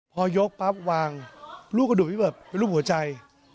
พอยกปั๊บวางรูปกระดูกเป็นแบบรูปหัวใจ